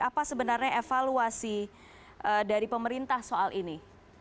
apa sebenarnya evaluasi dari pemerintah soal ini